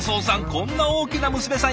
こんな大きな娘さん